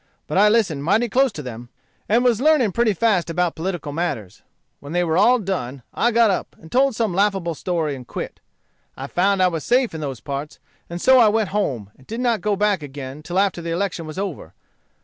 But I listened mighty close to them, and was learning pretty fast about political matters. When they were all done, I got up and told some laughable story, and quit. I found I was safe in those parts; and so I went home, and did not go back again till after the election was over.